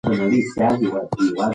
یو هلک خلک د خیرخانې هوټل ته رابلل.